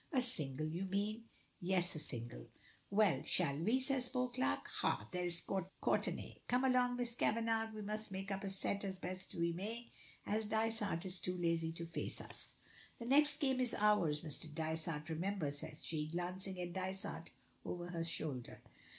"A single, you mean?" "Yes, a single." "Well we shall see," says Beauclerk. "Hah, there is Courtenay. Come along, Miss Kavanagh, we must make up a set as best we may, as Dysart is too lazy to face us." "The next game is ours, Mr. Dysart, remember," says she, glancing at Dysart over her shoulder.